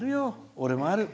俺もある。